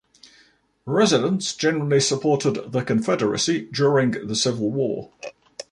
Residents generally supported the Confederacy during the Civil War.